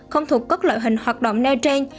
không thuộc các loại hình hoạt động nêu trên